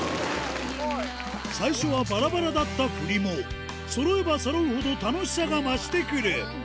最初はばらばらだった振りも、そろえばそろうほど、楽しさが増してくる。